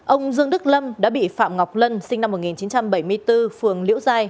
ông dương đức lâm đã bị phạm ngọc lân sinh năm một nghìn chín trăm bảy mươi bốn phường liễu giai